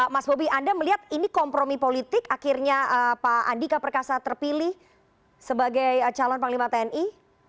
mas bobi anda melihat ini kompromi politik akhirnya pak andika perkasa terpilih sebagai calon panglima tni